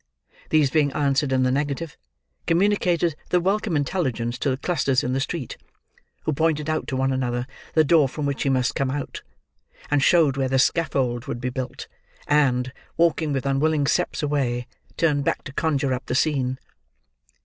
These being answered in the negative, communicated the welcome intelligence to clusters in the street, who pointed out to one another the door from which he must come out, and showed where the scaffold would be built, and, walking with unwilling steps away, turned back to conjure up the scene.